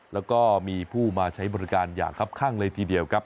แล้วก็มีผู้มาใช้บริการอย่างครับข้างเลยทีเดียวครับ